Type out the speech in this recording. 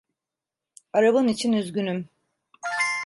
Araban için üzgünüm.